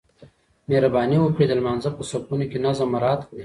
مهرباني وکړئ د لمانځه په صفونو کې نظم مراعات کړئ.